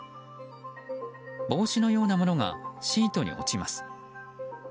帽子のようなものがシートに落ちます。